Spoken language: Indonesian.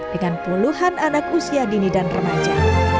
dengan puluhan anak usia dini dan remaja